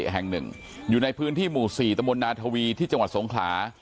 แห่งหนึ่งอยู่ในพื้นที่หมู่๔ตมนาทวีที่จังหวัดสงขลา